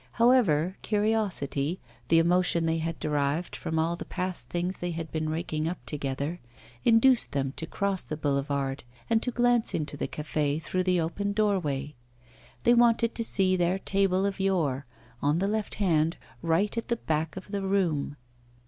However, curiosity, the emotion they had derived from all the past things they had been raking up together, induced them to cross the boulevard and to glance into the café through the open doorway. They wanted to see their table of yore, on the left hand, right at the back of the room.